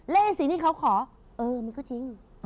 เล่นสินที่เขาขอเออมันก็จริง